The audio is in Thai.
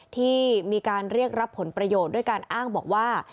ที่มีการเรียกรับผลประโยชน์ด้วยการอ้างบอกว่า